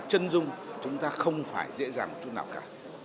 chân dung chúng ta không phải dễ dàng một chút nào cả